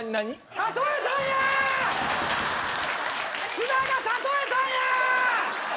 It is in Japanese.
津田が例えたんや！